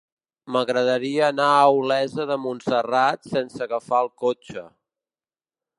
M'agradaria anar a Olesa de Montserrat sense agafar el cotxe.